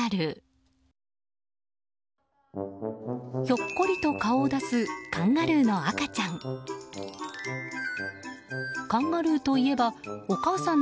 ひょっこりと顔を出すカンガルーの赤ちゃん。